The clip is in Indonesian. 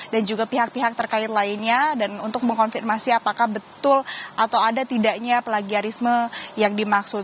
juga pihak pihak terkait lainnya dan untuk mengkonfirmasi apakah betul atau ada tidaknya plagiarisme yang dimaksud